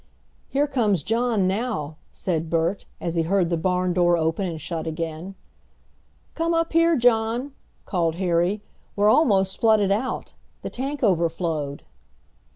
"Here comes John now," said Bert, as he heard the barn door open and shut again. "Come up here, John!" called Harry; "we're almost flooded out. The tank overflowed."